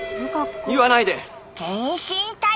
言わないで！